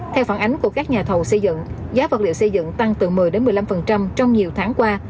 theo phản ánh của các nhà thầu xây dựng giá vật liệu xây dựng tăng từ một mươi một mươi năm trong nhiều tháng qua